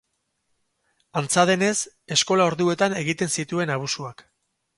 Antza denez, eskola-orduetan egiten zituen abusuak.